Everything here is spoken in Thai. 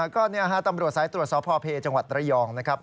ก็ตำรวจสายตรวจสพเพจังหวัดระยองนะครับ